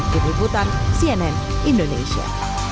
di hibutan cnn indonesia